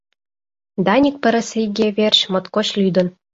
Даник пырысиге верч моткоч лӱдын.